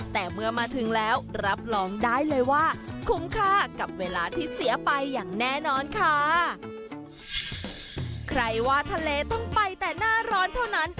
แต่เมื่อมาถึงแล้วรับรองได้เลยว่าคุ้มค่ากับเวลาที่เสียไปอย่างแน่นอนค่ะใครว่าทะเลต้องไปแต่หน้าร้อนเท่านั้น